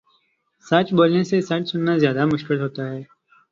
سچ بولنے سے سچ سنا زیادہ مشکل ہوتا ہے